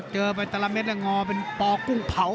เจอไปแต่ละเม็ดงอเป็นปอกุ้งเผา